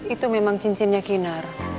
itu memang cincinnya kinar